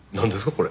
これ。